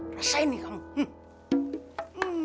rasain nih kamu